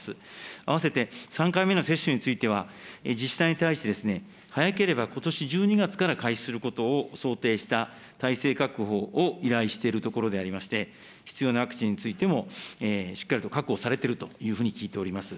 併せて３回目の接種については、自治体に対して早ければことし１２月から開始することを想定した、体制確保を依頼しているところでありまして、必要なワクチンについても、しっかりと確保されているというふうに聞いております。